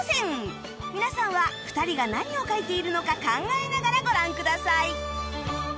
皆さんは２人が何を描いているのか考えながらご覧ください